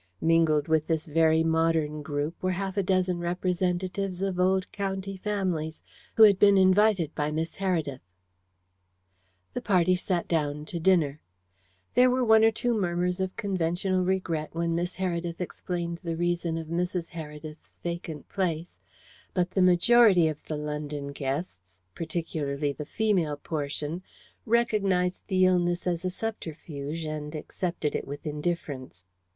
Mingled with this very modern group were half a dozen representatives of old county families, who had been invited by Miss Heredith. The party sat down to dinner. There were one or two murmurs of conventional regret when Miss Heredith explained the reason of Mrs. Heredith's vacant place, but the majority of the London guests particularly the female portion recognized the illness as a subterfuge and accepted it with indifference.